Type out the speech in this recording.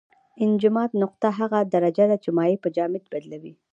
انجماد نقطه هغه درجه ده چې مایع په جامد بدلوي.